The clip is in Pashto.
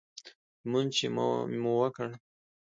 لمونځ چې مو وکړ.